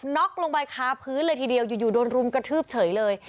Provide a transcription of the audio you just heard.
็อกลงไปคาพื้นเลยทีเดียวอยู่โดนรุมกระทืบเฉยเลย